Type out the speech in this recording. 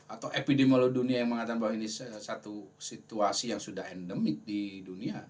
atau epidemiolog dunia yang mengatakan bahwa ini satu situasi yang sudah endemik di dunia